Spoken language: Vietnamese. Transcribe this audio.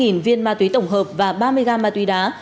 hơn hai viên ma túy tổng hợp và ba mươi gram ma túy đá